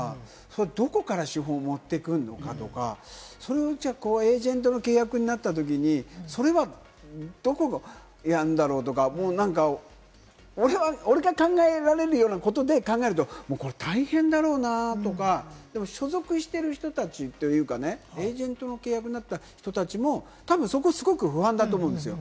どこから資本を持ってくるのかとか、それをエージェントの契約になったときに、それはどこがやるんだろうとか、俺が考えられるようなことで考えると、大変だろうなとか、でも所属してる人たちというか、エージェントの契約になった人たちも、たぶん、そこすごく不安だと思うんですよ。